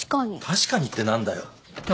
「確かに」って何だよ？